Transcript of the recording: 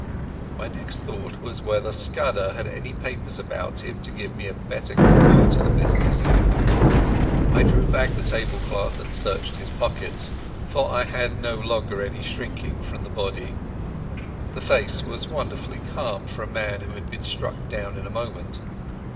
My next thought was whether Scudder had any papers about him to give me a better clue to the business. I drew back the table cloth and searched his pockets, for I had no longer any shrinking from the body. The face was wonderfully calm for a man who had been struck down in a moment.